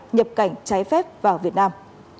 nhập cảnh trái phép vào việt nam